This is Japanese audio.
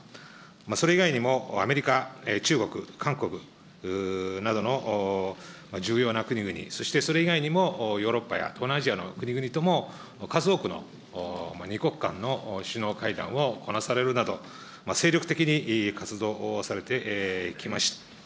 それ以外にもアメリカ、中国、韓国などの重要な国々、そしてそれ以外にも、ヨーロッパや東南アジアの国々とも、数多くの２国間の首脳会談をこなされるなど、精力的に活動されてきました。